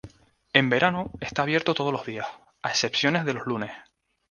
En verano, está abierto todos los días, a excepción de los lunes.